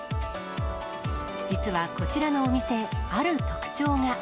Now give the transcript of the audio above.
実はこちらのお店、ある特徴が。